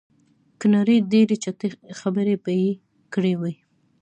که نه ډېرې چټي خبرې به یې کړې وې.